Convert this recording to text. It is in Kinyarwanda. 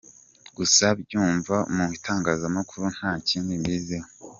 Gusa mbyumva mu itangazamakuru nta kindi mbiziho.